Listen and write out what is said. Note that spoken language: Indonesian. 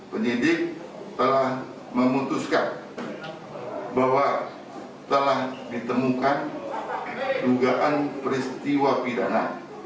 penyidik telah memutuskan bahwa telah ditemukan dugaan peristiwa pidana